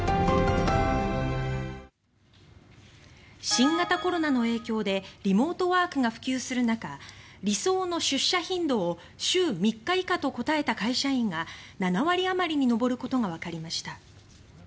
新型コロナの影響でリモートワークが普及する中理想の出社頻度を週３日以下と答えた会社員が７割あまりに上ることがわかりました。